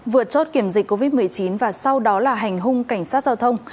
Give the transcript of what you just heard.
vượt chốt kiểm dịch covid một mươi chín và sau đó là hành hung cảnh sát giao thông